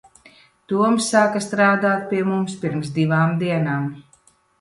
Toms sāka strādāt pie mums pirms divām dienām.